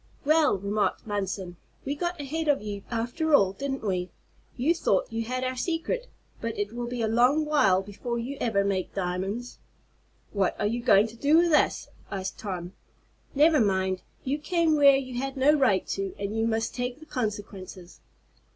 "Well," remarked Munson, "we got ahead of you after all; didn't we. You thought you had our secret, but it will be a long while before you ever make diamonds." "What are you going to do with us?" asked Tom. "Never mind. You came where you had no right to, and you must take the consequences."